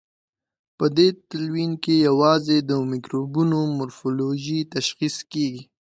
په دې تلوین کې یوازې د مکروبونو مورفولوژي تشخیص کیږي.